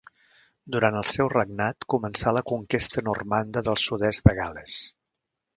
Durant el seu regnat, començà la conquesta normanda del sud-est de Gal·les.